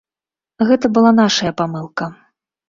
Гэта была нашая памылка.